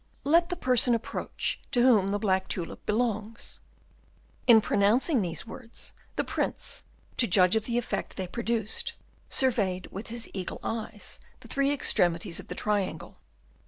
"Let the person approach to whom the black tulip belongs." In pronouncing these words, the Prince, to judge of the effect they produced, surveyed with his eagle eye the three extremities of the triangle.